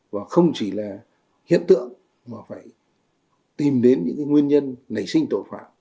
và không chỉ là hiện tượng mà phải tìm đến những nguyên nhân nảy sinh tội phạm